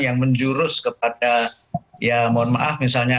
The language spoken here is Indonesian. yang menjurus kepada